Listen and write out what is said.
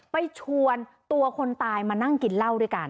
ไปชวนตัวคนตายมานั่งกินเหล้าด้วยกัน